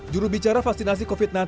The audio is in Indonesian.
jurubicara vaksinasi covid sembilan belas